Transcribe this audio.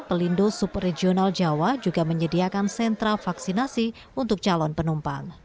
pelindo subregional jawa juga menyediakan sentra vaksinasi untuk calon penumpang